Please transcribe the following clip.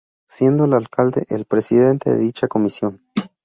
Siendo el alcalde, el presidente de dicha comisión.